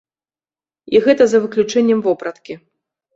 І гэта за выключэннем вопраткі.